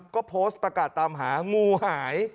ก็โพสต์ประกาศตามหางูหาย